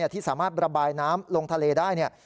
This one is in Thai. ที่สามารถระบายน้ำลงทะเลได้